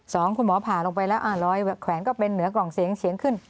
สองคุณหมอผ่าลงไปแล้วอ่ารอยแขวนก็เป็นเหนือกล่องเสียงเสียงขึ้น